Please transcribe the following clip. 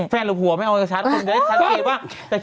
แฟนหรือผัวไม่เอาไว้กับชาร์จตรงเดียวชาร์จตรงเดียวว่า